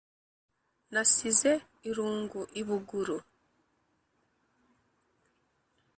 Nasize irungu i Buguru*.